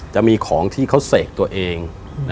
จะมีของที่เขาเสกตัวเอง